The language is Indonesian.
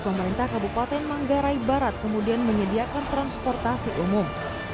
pemerintah kabupaten manggarai barat kemudian menyediakan transportasi umum